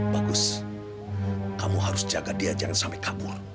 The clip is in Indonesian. bagus kamu harus jaga dia jangan sampai kabur